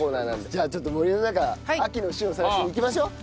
じゃあちょっと森の中秋の旬を探しに行きましょう。